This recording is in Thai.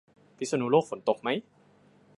พิษณุโลกฝนตกไหม